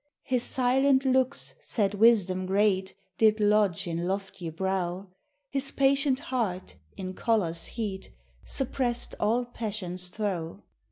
... His silent lookes sayd wisdome great Did lodge in loftie brow: His patient heart (in chollers heate) Supprest all passion's throw.